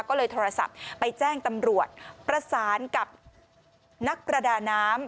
ก็เลยโทรศัพท์ไปแจ้งตำรวจประสานกับนักประดาน้ำ